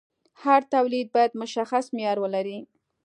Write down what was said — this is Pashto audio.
هر تولید باید مشخص معیار ولري.